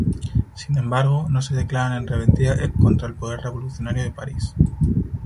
Sin embargo, no se declaran en rebeldía contra el poder revolucionario de París.